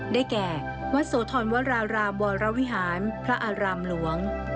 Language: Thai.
ได้แก่วัดโสธรวรารามวรวิหารพระอารามหลวง